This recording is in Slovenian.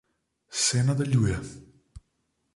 Se nadaljuje ...